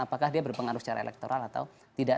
apakah dia berpengaruh secara elektoral atau tidak